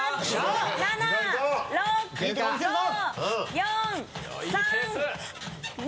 ４３。